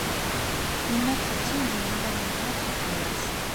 Lemer xeṛṣum zemreɣ ad nehṛeɣ takeṛṛust.